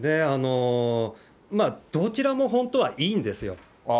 どちらも本当はいいんですよ。